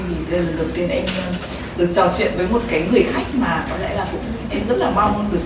vì đây là lần đầu tiên em được trò chuyện với một người khách mà em rất là mong muốn được gặp